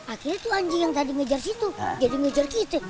akhirnya itu anjing yang tadi ngejar situ jadi ngejar gitu